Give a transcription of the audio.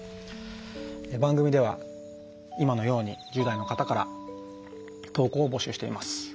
番組では今のように１０代の方から投稿を募集しています。